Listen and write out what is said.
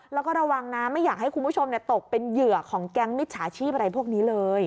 แล้วก็ระวังนะไม่อยากให้คุณผู้ชมตกเป็นเหยื่อของแก๊งมิจฉาชีพอะไรพวกนี้เลย